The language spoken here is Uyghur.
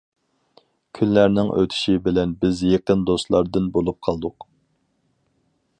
كۈنلەرنىڭ ئۆتۈشى بىلەن، بىز يېقىن دوستلاردىن بولۇپ قالدۇق.